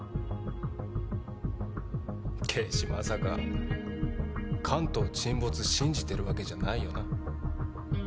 啓示まさか関東沈没信じてるわけじゃないよな？